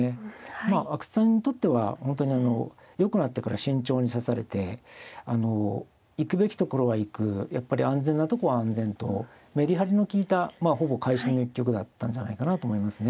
まあ阿久津さんにとっては本当に良くなってから慎重に指されて行くべきところは行くやっぱり安全なとこは安全とメリハリの利いたほぼ会心の一局だったんじゃないかなと思いますね。